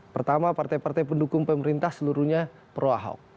pertama partai partai pendukung pemerintah seluruhnya pro ahok